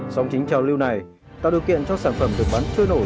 song chính trào lưu này tạo điều kiện cho sản phẩm được bán trôi nổi